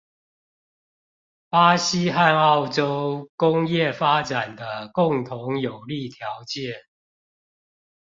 巴西和澳洲工業發展的共同有利條件